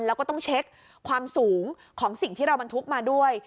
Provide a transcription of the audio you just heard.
แล้วก็ต้องเช็คความสูงของสิ่งที่เราบรรทุกมาด้วย